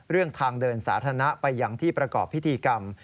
ทางเดินสาธารณะไปอย่างที่ประกอบพิธีกรรม